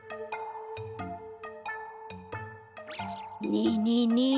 ねえねえねえ